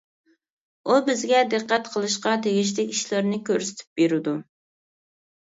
ئۇ بىزگە دىققەت قىلىشقا تېگىشلىك ئىشلارنى كۆرسىتىپ بېرىدۇ.